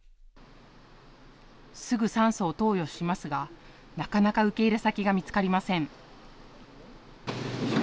すぐ酸素を投与しますがなかなか受け入れ先が見つかりません。